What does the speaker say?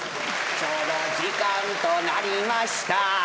「ちょうど時間となりました」